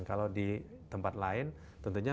kalau di tempat lain tentunya